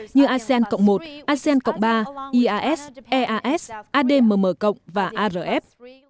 như asean một asean ba ias eas admm cộng và arf